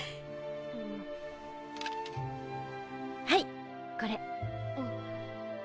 はい！